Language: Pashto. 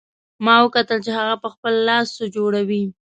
ما وکتل چې هغه په خپل لاس څه جوړوي